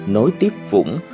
nối tiếp vũng